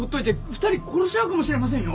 ２人殺し合うかもしれませんよ？